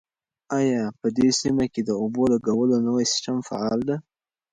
آیا په دې سیمه کې د اوبو لګولو نوی سیستم فعال دی؟